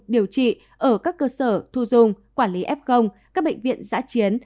điều trị ở các cơ sở thu dung quản lý f các bệnh viện giã chiến